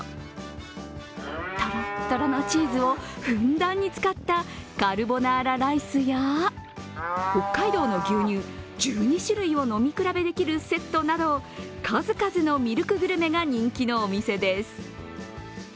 とろっとろのチーズをふんだんに使ったカルボナーラライスや、北海道の牛乳１２種類を飲み比べできるセットなど数々のミルクグルメが人気のお店です。